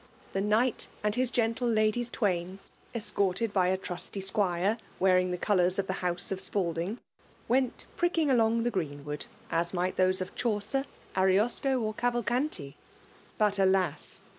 The knight md his gentle ladies tovain, escorted by a tnisty squire wearing the colours of the house of Spddtng, ipent pricking along the greenwood, as ngllt those of Chaucer, Ariosto, or Cavalcanti ; but alas